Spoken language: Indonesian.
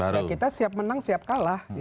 ya kita siap menang siap kalah